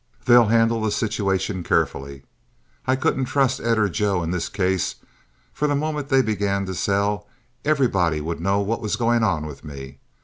They'll handle the situation carefully. I couldn't trust Ed or Joe in this case, for the moment they began to sell everybody would know what was going on with me.